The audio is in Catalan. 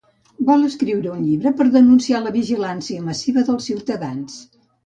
Vol escriure un llibre per denunciar la vigilància massiva dels ciutadans.